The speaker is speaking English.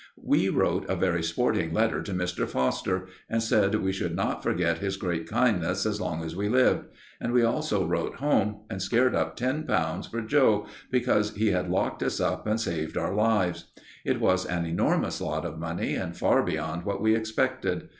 We wrote a very sporting letter to Mr. Foster, and said we should not forget his great kindness as long as we lived; and we also wrote home and scared up ten pounds for Joe, because he had locked us up and saved our lives. It was an enormous lot of money, and far beyond what we expected.